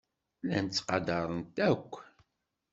Llan ttqadaren-t akk.